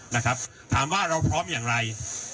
ถามมาว่าเราพร้อมอย่างไร